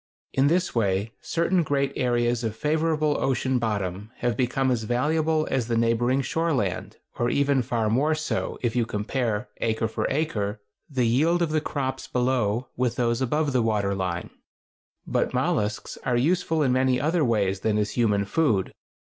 In this way certain great areas of favorable ocean bottom have become as valuable as the neighboring shore land, or even far more so, if you compare, acre for acre, the yield of the crops below with those above the water line. But mollusks are useful in many other ways than as human food.